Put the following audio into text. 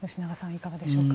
いかがでしょうか？